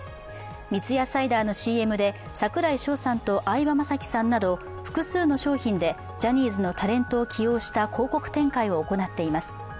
三ツ矢サイダーのＣＭで櫻井翔さんと相葉雅紀さんなど複数の商品でジャニーズのタレントを起用した広告展開を行っています。